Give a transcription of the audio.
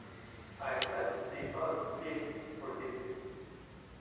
I felt the old beak furtively.